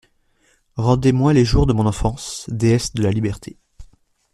Rendez-moi les jours de mon enfance, Déesse de la Liberté!